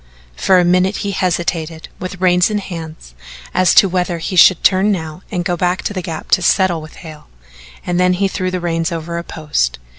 For a minute he hesitated with reins in hand as to whether he should turn now and go back to the Gap to settle with Hale, and then he threw the reins over a post.